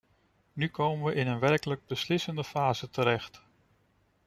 Nu komen we in een werkelijk beslissende fase terecht.